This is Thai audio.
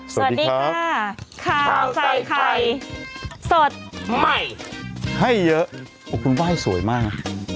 สวัสดีค่ะข้าวใส่ไข่สดใหม่ให้เยอะโอ้คุณไหว้สวยมาก